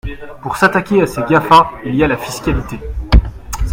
Pour s’attaquer à ces GAFA, il y a la fiscalité.